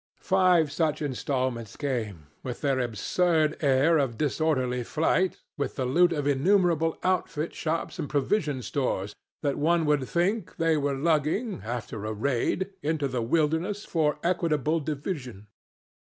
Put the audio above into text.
Five such installments came, with their absurd air of disorderly flight with the loot of innumerable outfit shops and provision stores, that, one would think, they were lugging, after a raid, into the wilderness for equitable division.